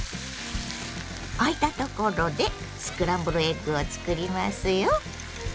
あいたところでスクランブルエッグを作りますよ。